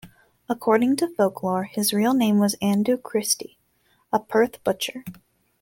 According to folklore, his real name was Andrew Christie, a Perth butcher.